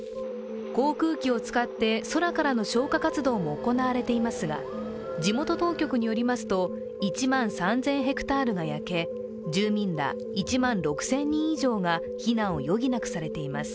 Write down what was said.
航空機を使って空からの消火活動も行われていますが、地元当局によりますと、１万３０００ｈａが焼け住民ら１万６０００人以上が避難を余儀なくされています。